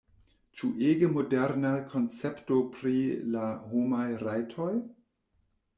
Ĉu ege moderna koncepto pri la homaj rajtoj?